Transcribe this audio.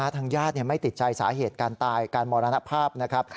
ทางญาติไม่ติดใจสาเหตุการตายการมรณภาพนะครับ